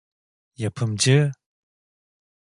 Yapımcı…